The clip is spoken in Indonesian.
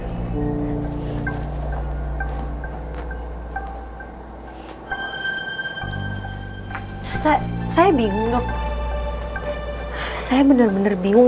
ini seharusnya saya sama abby tuh gak nginep disini